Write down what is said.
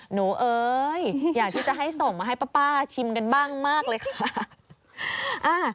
เอ้ยอยากที่จะให้ส่งมาให้ป้าชิมกันบ้างมากเลยค่ะ